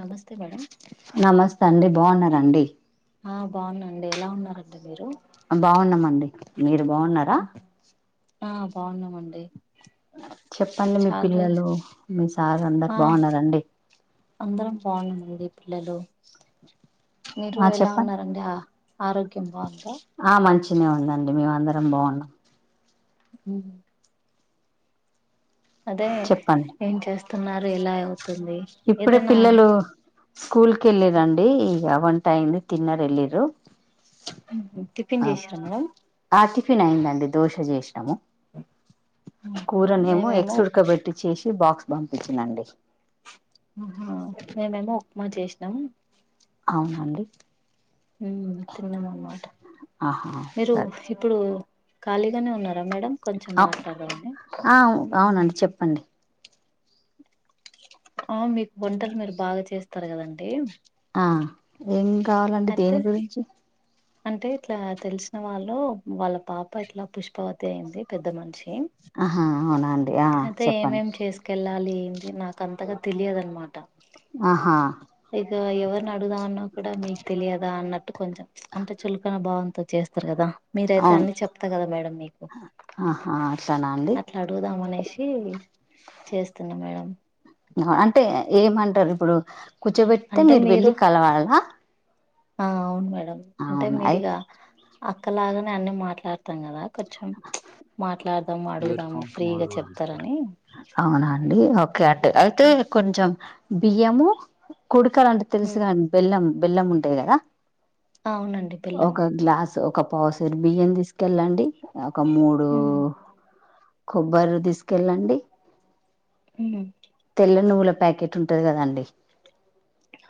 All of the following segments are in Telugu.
నమస్తే మేడం నమస్తే అండి బాగున్నారండి హా బాగున్నా అండి ఎలా ఉన్నారండి మీరూ. బాగున్నాం అండి మీరు బాగున్నారా. ఆ బాగున్నామండి. చెప్పండి మీ చాలా రోజు పిల్లలూ మీ సార్ అందరు ఆ బాగున్నారండి. అందరం బాగున్నాం అండి పిల్లలు మీరు ఆ ఎలా చెప్పండి ఉన్నారండి ఆ ఆరోగ్యం బాగుందా. మంచిగనే ఉందండి మేము అందరం బాగున్నాం. ఊహు అదే చెప్పండి ఏం చేస్తున్నారు ఎలా అవుతుంది ఇప్పుడే ఏదైనా పిల్లలూ స్కూల్ కెళ్ళిరండీ. ఏమ్ముంటాయండి తిన్నరు ఎళ్ళిర్రూ. ఊహు టిఫిన్ చేశిర్రా మేడం. ఆ టిఫిన్ అయ్యిందండి దోశ చేశినము ఆహా, కూరనేమో మేమేమో ఎగ్స్ ఉడకబెట్టి చేశి టి బాక్స్ పంపిచ్చినా అండి. ఆహా మేమేమో ఉప్మా చేశిన్నం. అవునా అండి. ఊ తిన్నం అన్మాట ఆహా మీరూ సరే ఇప్పుడూ ఖాళీగానే ఉన్నార్ రా మేడం కొంచెం అవు మాట్లాడదామని. ఆ అవునండి చెప్పండి ఆ మీకు వంటలు మీరు బాగా చేస్తారు గదండి. ఆ ఏం కావాలండి దేని గురించి. అంటే ఇట్లా తెలిసిన వాళ్ళూ వాళ్ళ పాప ఇట్లా పుష్పవతి అయింది పెద్ద మనిషి. ఆహా అవునా అండి ఆ అయితే చెప్పండి. ఏమేం చేసుకెళ్ళాలి ఏంది నాక్ అంతగా తెలియదు అన్మాటా. ఆహా ఇగా ఎవర్ని అడుగుదామన్నా కూడా మీకు తెలియదా అన్నట్టు కొంచెం ప్చ్ అంటే చులకన భావంతో చేస్త్ స్తరు కదా మీరయితే అవును అన్ని చెప్త గదా మేడం మీకు. ఆహా అట్లానా అండి అట్లా అడుగుదాం అనేశీ చేస్తున్నా మేడం. అహ అంటే ఏమంటరు ఇప్పుడూ కూర్చోబెడితే మీరు వెళ్ళి కలవాలా. ఆ అవును మేడం అంటే అవునా అయి మీరిగా. అక్కలాగానే అన్ని మాట్లాడతం గదా కొంచెం ప్చ్ మాట్ ఇయర్ ఫోన్స్ మాడల్ గూడా తీస్తారు అవునా అండి ఓకే అట్ట అయితే కొంచెం బియ్యమూ కుడుకలంటే తెల్సు కదండి బెల్లం బెల్లం ఉంటాయి గదా. అవునండి బెల్లము ఒక గ్లాస్ ఒక పావుసేరు బియ్యం తీసుకెళ్ళండి ఒక మూడూ కొబ్బర్లు తీసుకెళ్ళండి. [unintelligible] ల నువ్వుల ప్యాకెట్ ఉంటది గదండి.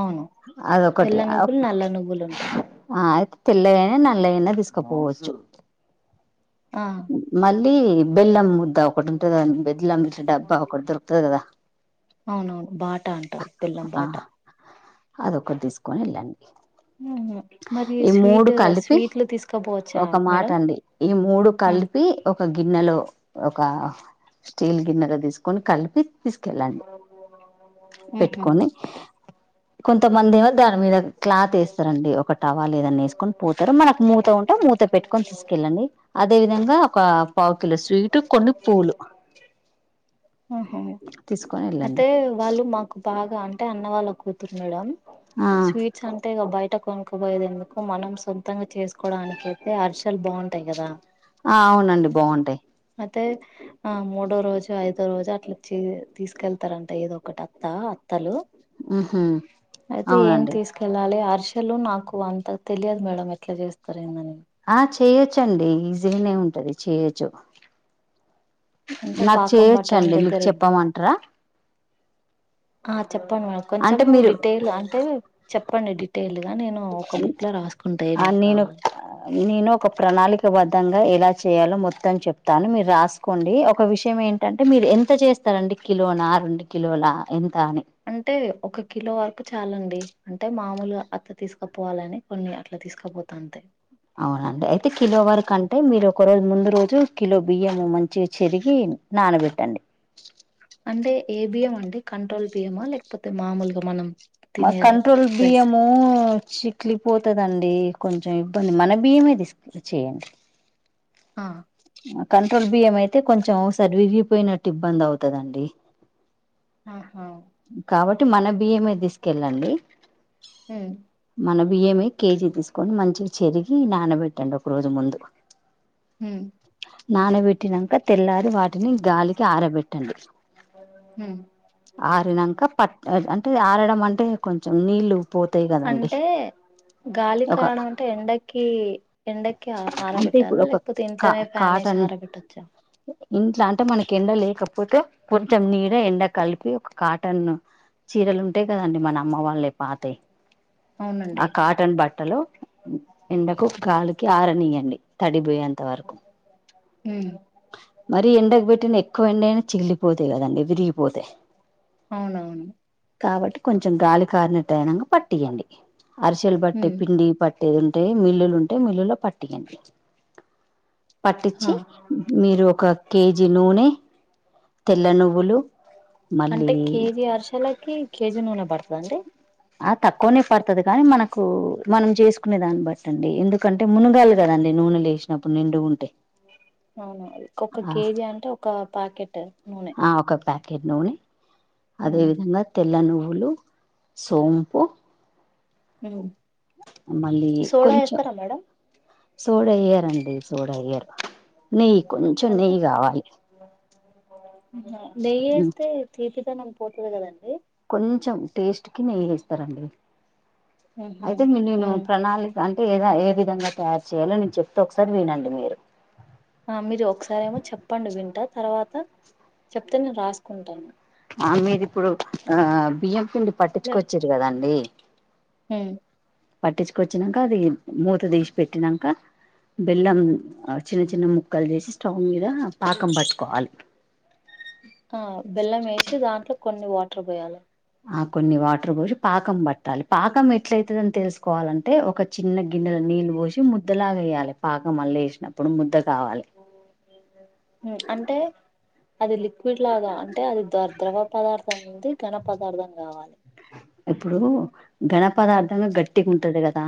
అవును అదొక్కటి తెల్ల ఒక్ నువ్వులు నల్ల నువ్వులు ఉంటాయి ఆ అయిత్ తెల్ల ఐనా నల్ల ఐనా తీసుకపోవచ్చు. ఆహా ళీ బెల్లం ముద్దా ఒకటి ఉంటది కదండి బెల్లంది ఇట్ల డబ్బా ఒకటి దొరుకుతది గదా. అవునవును బాటా అంటరు బెల్లం ఆ బాటా. అదొకటి తీసుకొని ఎళ్ళండి. మరి స్వీట్ కలిపి స్వీట్లు తీసుకోపోవచ్చా ఒక మాట మేడం అండి ఈ మూడు కలిపి ఒక గిన్నెలో ఒక స్టీల్ గిన్నెలో తీసుకొని కలిపి తీసుకెళ్ళండి ఉహు పెట్టుకొని కొంతమంది ఏమో దాని మీద క్లాత్ వేస్తారండి ఒక టవా లేదని వేసుకొని పోతారు మనకు మూత ఉంట మూత పెట్టుకొని తీసుకెళ్ళండి అదే విధంగా ఒక పావు కిలో స్వీట్ కొన్ని పూలు ఆహా తీసుకొని వెళ్ళండి అతే వాళ్ళు మాకు బాగా అంటే అన్న వాళ్ళ కూతురు మేడం ఆ స్వీట్స్ అంటే బయ కొనుక్కబోయేది ఎందుకు మనం సొంతంగా చేసుకోవడానికి అయితే అర్సలు బాగుంటాయి కదా ఆ అవునండి బాగుంటాయి అయితే ఆ మూడో రోజు ఐదో రోజు అట్లా తీసుకెళ్తారంట ఏదో ఒకటి అత్తా అత్తలు ఉహు అయితే ఏం అవునండి తీసుకెళ్ళాలి ఆ ఆషలు నాకు అంత తెలియదు మేడం ఎట్లా చేస్తారూ అన్ని ఆ చేయొచ్చండి ఈజీనే ఉంటది చేయొచ్చు అంటే నాకు పాకం పట్టడం చేయొచ్చండి మీకు దగ్గర ఇబ్బంది చెప్పమంటారా ఆ చెప్పండి మ కొంచెం అంటే మీరు డిటెయిల్ అంటే చెప్పండి డిటెయిల్ గా నేను ఒక బుక్ లో రాసుకుంటా ఆ ఏమేం నేను కావాలో నేను ఒక ప్రణాళిక బద్దంగా ఎలా చేయాలో మొత్తం చెప్తాను మీరు రాసుకోండి ఒక విషయం ఏంటంటే మీరు ఎంత చేస్తారండి కిలోనా రెండూ కిలోలా ఎంత అని అంటే ఒక కిలో వరకు చాలండి అంటే మామూలు అత్త తీసుకపోవాలని కొన్ని అట్లా తీసుకపోత అంతే అవునండి అయితే కిలో వరకు అంటే మీరు ఒక రోజు ముందు రోజు కిలో బియ్యము మంచి చెరిగి నానబెట్టండి అంటే ఏ బియం అంటడి కంట్రోల్ బియ్యమా లేకపోతే మామూలుగా మనం మా తినే కంట్రోల్ రైస్ బియ్యము చిట్లి పోతాదండి కొంచెం ఇబ్బంది మన బియ్యమే తీసుకుని చేయండి ఆ కంట్రోల్ బియ్యం అయితే కొంచెం సరివిగిపోయినట్టు ఇబ్బంది అవుతదండి ఆహా టి మన బియ్యమే తీసుకెళ్ళండి ఉ మన బియ్యమే కేజీ తీసుకని మంచిగా చెరిగి నానబెట్టండి ఒక రోజు ముందు హు నానబెట్టినాక తెల్లారి వాటి టిని గాలికి ఆరబెట్టండి హ్మ్ ఆరినాక పటన్ అంటే ఆరడం అంటే కొంచెం నీళ్లు పోతాయి కదండి అంటే గాలి ఒక కారడం అంటే ఎండకి ఎండకి అంటే ఆరబెట్టాలి ఇప్పుడు ఒక లేకపోతే ఇ టెనే ఫ్యాన్ ఆరబెట్టచ్చ ఇంట్లా అంటే మనకి ఎండ లేకపోతే కొంచెం నీడ ఎండ కలిపి ఒక కాటన్ చీరలు ఉంటాయి కదండి మన అమ్మ వల్లై పాతయి ఆ అవునండి కాటన్ బట్టలు ఎండకు గాలికి ఆర నియ్యండి తడిపోయెంత వ హ్మ్ మరి ఎండకు పెట్టిన ఎక్కువ ఎండ అయినా చిగిలిపోథై కదండి విరిగ్ పోతే అవునవును కాబట్టి కొంచెం గాలి కారినట్టైనంగా పట్టియండి అరిసెలు బట్టి హ్మ్ పిండి పట్ ట్టేదుంటే మిల్లులుంటే మిల్లులో పట్టియండి ఆ పట్టిచ్చి మీరు ఒక కేజీ నూనె తెల్ల నువ్వులు మళ్ళీ అంటే కేజీ అరిషెలకి కేజీ నూనె బడ్తదాఅండి ఆ తక్కువనే పడతది కానీ మనకు మనం జేసుకునే దాన్ని బట్టి అండి ఎందుకంటే మునుగాలి గదం డి నూనె లేషినప్పుడు నిండుగుంటే అవును ఒక కేజీ అంటే ఒక పాకెట్ నూనె కెట్ నూనె హ్మ్ అదేవిధంగా తెల్ల నువ్వులు సోంపు నువ్ సోడా ఏస్తారా మేడం సోడా ఇయ్యరండి సోడా ఇయ్యరు నెయ్యి కొంచెం నెయ్యి గావాలి ఊహు నెయ్యేస్తే తీపిదనం పోతది గదం తరండి హ్మ్ హు అయితే మీ నేను హ్మ్ ప్రణాళిక అం టే ఏదా ఏ విధంగా తయారు చేయాలో నేను చెప్తా ఒకసారి వినండి మీరు ఆ మీరు ఒకసారి ఏమో చొప్పండి వింట తర్వాత చొప్తే నేను రాసుకుంటాను ఆ మీరిప్పుడు ఆ బియ్యం పిండి పట్టిచ్చుకొచ్చిర్రు గదా అండి ఉ పట్టిచ్చుకొచ్చినంక అది మూత దీసి పెట్టినాంక బెల్లం ఆ చిన్న చిన్న ముక్కలు జేసి స్టవ్ మీద పాకం బట్టుకోవాలి ఆ బెల్లం ఏసి దాంట్లో కొన్ని వాటర్ బొయాల ఆ కొన్ని వాటర్ బోసి పాకం బట్టాలి పాకం ఎట్లైతదన్ తెలుసుకోవాలంటే ఒక చిన్న గిన్నెలొ నీళ్లు బోషి ముద్దలాగా వేయాలి పాకం మళ్ల ఏసినప్పుడు ముద్ద కావాలి ఉ అంటే అది లిక్విడ్ లాగా అంటే అది దారింద్రంగ పదార్థం ఉంది ఘన పదార్దం గావాలి ఇప్పుడు గణపదార్దమే గట్టిగుంటది గదా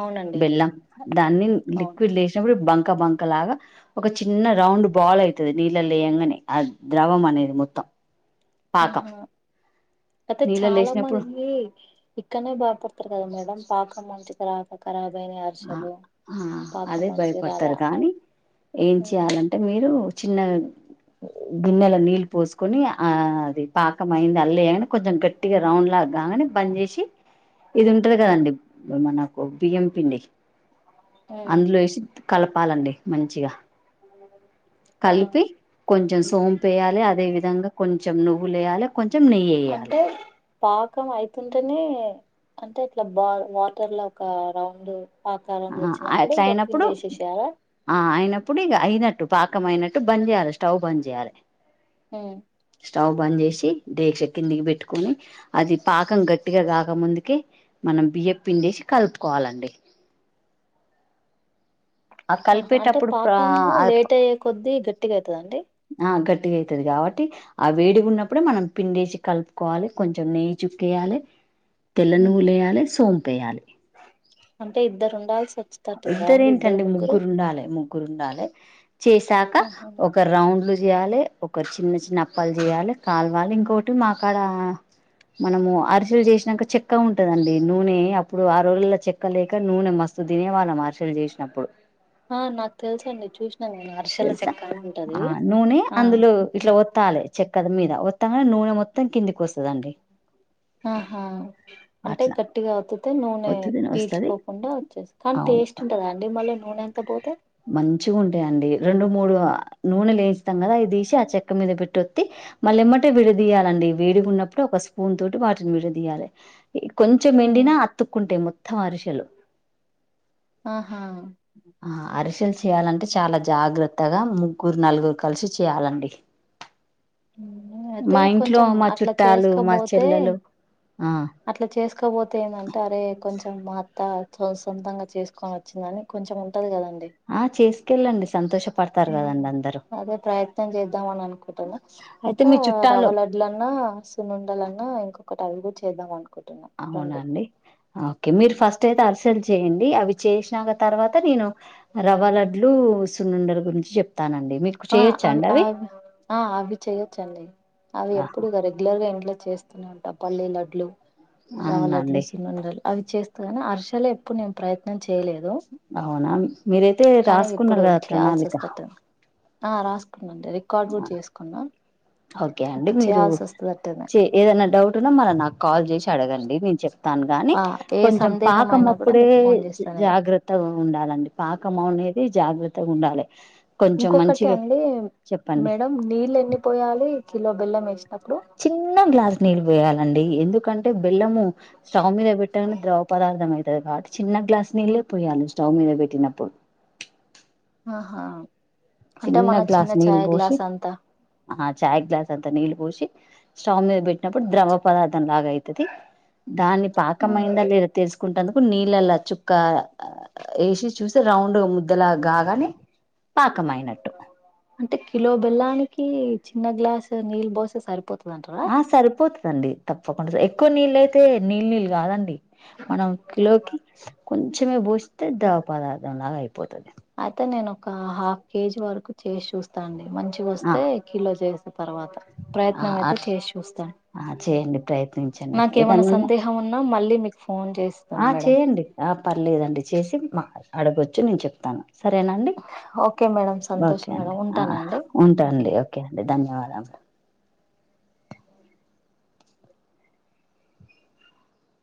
అవునండి బెల్లం దాన్ని అవును లిక్విడ్లొ ఎసినప్పుడు బం క బంక లాగా ఒక చిన్న రౌండ్ బాలైతది నీళ్ళలో ఏయంగానే ఆ ద్రవం అనేది మొత్తం పాకం ఆహా అయితే నీళ్ళలో చాలా లేసినప్పుడు మంది ఇక్కనే బాగ్ పడతారు కదా మేడం పాకం మంచి తర్వాత కరాబ్ ఆ అహా అదే మంచిగా రాలే భయపడతారు కానీ ఏం హ్మ్ చేయాలంటే మీరు చిన్నగన్ గిన్నెల నీళ్ళు పోసుకుొని ఆ అది పాకం అయింద ల్లే అని కొజ్జెం గెట్టిగా రౌండ్ లా గానే బంద్ జేసి ఇది ఉంటది హ్మ్ కదండి మనకు బియ్యం పిండి హ్మ్ అందులో ఏసి కలపాలండి మంచిగా ఆ కలిపి కొంచెం సోమ్ంపేయాలి అదేవి విధంగా కొంచెం నువ్వులేయాలె కొంచెం నెయ్యి ఏయాలె అంటే పాకం అయితుంటేనే అంటే ఇట్లా బాగ వాటర్ లో ఒక రౌండు ఆ అట్లైనప్పుడు వేసేసేయాలా ఆ అయినప్పుడు ఇగ అయినట్టు పా కం మైనట్టు బంద్యెజేయాలే స్టవ్ బంద్ జేయాలె హ్యా బంద్ జేసి డేక్ష్య కిందికి బెట్టుకొని అది పాకం గట్టిగా గాక ముందు కి మనం బియ్య పిండేసి కలుపుకోవాలండి ఆ ఆహా అంటే కలిపేటప్పుడు పాకము అ లేట్ అయ్యే కొద్దీ గట్టిగా అయితదండి ఆ గట్ ట్టిగా అయితది కాబట్టి ఆ వేడిగా ఉన్నప్పుడు మనం పిండేసి కలుపుకోవాలి కొంచెం నెయ్యి చుక్కేయాలే తెల్ల నువ్వులు ఏయాలే సోంపేయాలే అంటే ఇద్దరు ఉండాల్సి వచ్చేటట్టుంది ఇద్దర కదండి ఇద్దరు ఏంటండి ముగ్గురు ఉండాలే ముగ్గురు ఉండాలి చేశాక ఆహా. ఒక రౌండ్ లు చేయాలి ఒకరూ చిన్న చిన్న అప్పలు చెయాలి కాల్వాలి ఇంకోటి మాకాడ మనము అరిసెలు చేసినాక చెక్క ఉంటదండి నూనె అప్పుడు ఆ రోజుల్లో చెక్క లేక నూనె మస్తు తినే వాళ్ళం అర్షేలు చేసినప్పుడు ఆ నాకు తెలుస అండి చూసిన తెలుసా ఆ నూనె ఆ అందులో ఇట్లా చెప్తాను ఒత్తాలే చెక్కద మీద వత్తాంగానే నూనె మొత్తం కిందికి వస్తదండి ఆహా అంటే అట్లా గట్టిగా ఒత్తుతే నూనె ఒత్తిదిన వస్తది పీల్చుకోకుండా వచ్చేస్తాది అవును టేస్ట్ ఉంటదా అండి మళ్ళ నూనె అంతా పోతే మంచిగుంటాయండి రెండు మూడు నూనె లేంచూతాం కదా అసి ఆ చెక్క మీద పెట్టిఒత్తి మళ్ళీ ఇమ్మటే విడదీయాలండి వేడి గున్నప్పుడు ఒక స్పూన్ తోటి వాటిని విడదీయాలే కొంచెం ఉమ్. ఎండినా అత్తుక్కుంటెయి మొత్తం అరిషేలు ఆహా ఆ అరిసెలు చేయాలంటే చాలా జాగ్రత్తగా ముగ్గురు నలుగురు కలిసి చేయాలండి అయితే మా ఇంట్లో కొంచెం మా అట్లా చుట్టాలు, మా చేసుకపోతే చెల్లెలు ఆ! అట్లా చేసుక్ కపోతే ఏందంటే అరే కొంచెం మా అత్త అట్లా సొంతంగా చేసుకొని వచ్చిందని కొంచెం ఉంటది కదండి ఆ చేసుకెళ్ళండి సంతోషపడతారు కదండి అందరు అదే ప్రయత్నం చేద్దాం అని అనుకుంటున్నా అయితే ఇంకా మీ రవ్వ చుట్టాలు లడ్లన్నా సునుండలన్నా ఇంక ఒకటి అవి కూడా చేద్దాంమన్ అవునా అండి ఓకే మీరు ఫస్ట్ అయితే అర్షే లు చేయండి అవి చేసినాక తర్వాత నేను రవాలడ్లు సున్నండల గురించి చెప్ ఆ అవి ఆవ్ ఆ అవి చెయొచ్చండి అవి ఆహా ఎప్పుడు ఇగ రెగ్యులర్ గా ఇంట్లో చేస్ ఉంటా పల్లీ లడ్లు రవ్వ లడ్లు అవునండి సున్నుండలు అవి చేస్తగని హర్షలే ఎప్పుడు నేను ప్రయత్నించ అవునా మీరైతే కానీ రాసుకున్నారు ఇప్పుడు కదా చేయాల్సి ప్రణాళిక వస్తట్టుంది ఆ రాసు రికార్డు కూడా చేసుకున్నా ఓకే అండి ఇప్పుడు మీరు చేయాల్సి వస్తదట్టనే చే ఏదైనా డౌట్ ఉన్నా మన నాకు కాల్ చేసి అడగండి నేను చెప్ తాను గాని ఆ ఏ కొంచం సందేహం పాకం అయినా కూడా అప్పుడే మీకు ఫోన్ చేస్తానయ్యా జాగ్రత్తగా ఉండాలండి పాకం అవు నేది జాగ్రత్తగా ఉండాలే ఇంకొకటి అండి మేడం నీళ్ళు ఎన్ని పోయాలి కిలో బెల్లం ఏసి చిన్న గ్లాస్ నీళ్ళు పోయాలండి ఎందుకంటే బెల్లము స్టవ్ మీద పెట్టంగానే ద్రవ పదార్థం అయి చిన్న గ్లాస్ నీళ్లే పోయియాలి స్టవ్ మీద పెట్టినప్పుడు ఆహా అంటే చిన్న మన గ్లాస్ నీల్ చాయ్ బోషి గ్లాస్ అంతా ఆ చాయ్ గ్లాస్ అంతా నీల్ పోసి స్టామ్ మీద పెట్టినప్పుడు ద్రవ పదార్థం లాగ అయితది దాన్ని ఉమ్, పాకమైందా లేద తెల్స్ కుంటందుకు నీళ్ళలా చుక్క వేసి చూస్తే రౌండ్గా ముద్దలా గాగానే పకమైనటు అంటే కిలో బెల్లానికి చిన్న గ్లాస్ నీళ్ళ బోస్తే సరిపోతుది ఆ సరిపోతుందండి తప్పకుండా ఎక్కువ నీళ్ళు అయితే నీళ్ళు నీళ్ళు కాదండి మనం కిలోకి కొంచమే పోోసిస్తే దవ పదార్థంలాగా అయిపోతుంది అయితే నేను ఒక హాఫ్ కేజీ వరకు చేసి చూస్తా అండి మంచిగా ఆ వస్తే కిలో చేస్తా తర్వాత ఆ ప్రయత్నం అయితే అట్ చేసి చూస్తాను ఆ చేయండి ప్రయత్నించండి నాకేమనా ఏదన్నా సందేహం ఉన్నా మళ్ళీ మీకు ఫోన్ చేస్తాను ఆ మేడం చేయండి ఆ పర్లేదండి చేసి మా అడగొచ్చు నేను చెప్తాను సరేనాండి ఓకే మేడం ఓకే సంతోషం మేడం అండి ఆ ఉంటానండి ఉంటాండి ఓకే అండి ధన్యవాదాలు ఆ